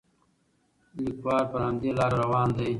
لیکوال پر همدې لاره روان دی.